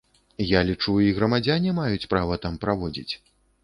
Я лічу, і грамадзяне маюць права там праводзіць.